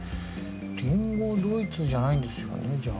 リンゴドイツじゃないんですよねじゃあ。